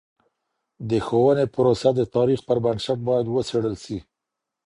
د ښوونې پروسه د تاریخ پر بنسټ باید وڅېړل سي.